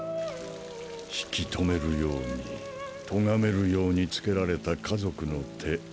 引き留めるように咎めるようにつけられた家族の手。